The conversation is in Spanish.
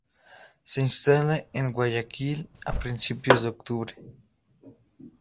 Se instala en Guayaquil a principios de octubre.